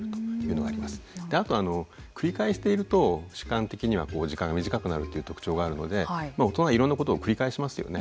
であとは繰り返していると主観的には時間が短くなるという特徴があるので大人はいろんなことを繰り返しますよね。